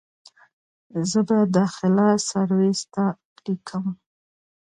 زه به داخله سرويس ته وليکم.